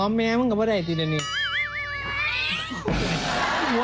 เป็นลูกหัวคิดว่าไม่หยุดนะเนี่ย